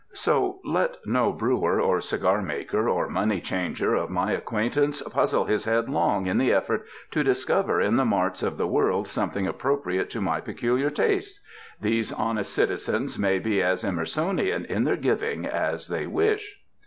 So let no brewer or cigar maker or money changer of my acquaintance puzzle his head long in the effort to discover in the marts of the world something appropriate to my peculiar tastes. These honest citizens may be as Emerson ian in their giving as they wish.